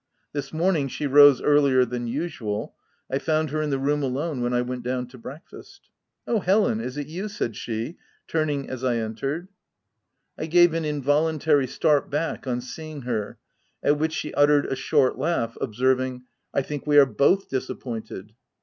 This morning, she rose earlier than usual. 1 found her in the room alone, when I went down to breakfast. "Oh Helen ! is it you V % said she, turning as I entered. I gave an involuntary start back on seeing her, at which she uttered a short laugh, observ ing,— " I think we are both disappointed.'